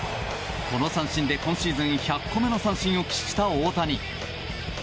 この三振で今シーズン１００個目の三振を喫した大谷。